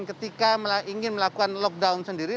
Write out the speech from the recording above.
ketika ingin melakukan lockdown sendiri